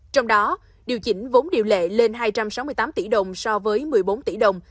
trong đó điều chỉnh vốn điều lệ lên hai trăm sáu mươi tám tỷ đồng so với một mươi bốn tỷ đồng